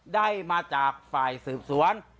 ได้มาจากฝ่ายสืบสวน